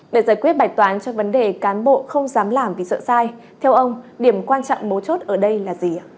để giải quyết bài toán cho vấn đề cán bộ không dám làm vì sợ sai theo ông điểm quan trọng mấu chốt ở đây là gì ạ